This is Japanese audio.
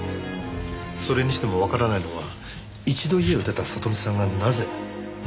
それにしてもわからないのは一度家を出た聡美さんがなぜ戻ったのか？